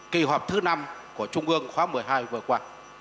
kỳ họp thứ năm của trung ương khóa một mươi hai vừa qua